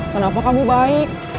kenapa kamu baik